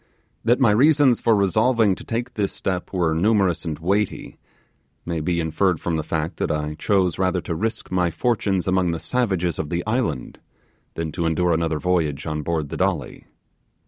That my reasons for resolving to take this step were numerous and weighty, may be inferred from the fact that I chose rather to risk my fortunes among the savages of the island than to endure another voyage on board the Dolly.